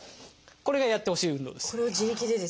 これがやってほしい運動です。